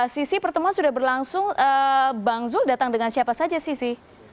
sisi pertemuan sudah berlangsung bang zul datang dengan siapa saja sisi